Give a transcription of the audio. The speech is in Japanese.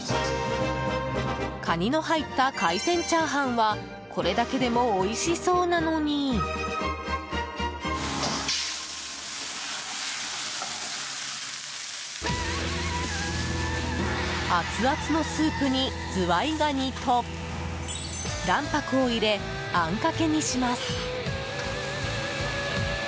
カニの入った海鮮チャーハンはこれだけでもおいしそうなのにアツアツのスープにズワイガニと卵白を入れあんかけにします。